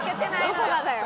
どこがだよ！